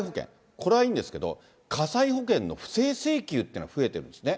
これはいいんですけど、火災保険の不正請求っていうのが、増えてるんですね。